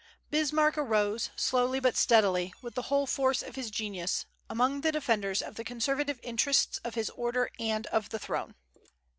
Bismarck arose, slowly but steadily, with the whole force of his genius, among the defenders of the conservative interests of his order and of the throne.